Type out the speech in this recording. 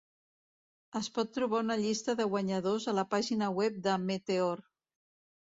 Es pot trobar una llista de guanyadors a la pàgina web de Meteor.